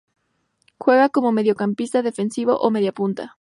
Juega como Mediocampista Defensivo o Media Punta.